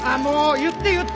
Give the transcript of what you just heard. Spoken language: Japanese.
言って言って！